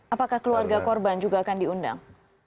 apakah keluarga korban juga akan diundang